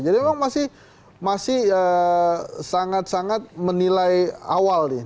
jadi emang masih sangat sangat menilai awal nih